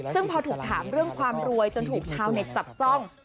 ซึ่งพอถูกถามเรื่องความรวยจนถูกชาวเน็ตจับจ้อง